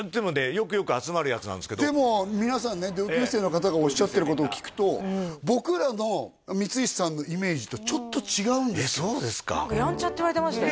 よくよく集まるヤツなんですけどでも皆さんね同級生の方がおっしゃってることを聞くと僕らの光石さんのイメージとちょっと違うんですけど何かやんちゃって言われてましたよ